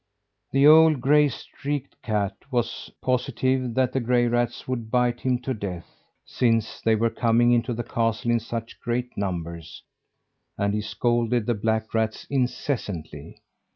The old gray streaked cat was positive that the gray rats would bite him to death, since they were coming into the castle in such great numbers, and he scolded the black rats incessantly.